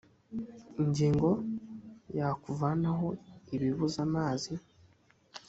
ingingo ya kuvanaho ibibuza amazi